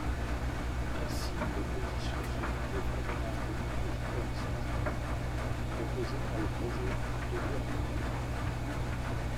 Ainsi, l’opposition se dit défavorable aux mesures coercitives proposées par le projet de loi.